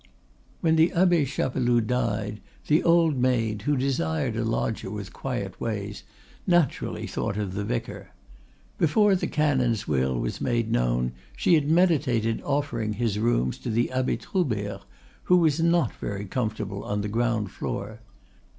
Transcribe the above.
When the Abbe Chapeloud died, the old maid, who desired a lodger with quiet ways, naturally thought of the vicar. Before the canon's will was made known she had meditated offering his rooms to the Abbe Troubert, who was not very comfortable on the ground floor.